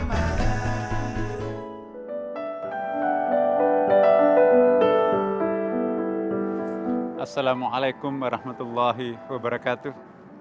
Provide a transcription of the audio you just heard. assalamualaikum warahmatullahi wabarakatuh